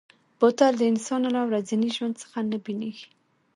بوتل د انسان له ورځني ژوند څخه نه بېلېږي.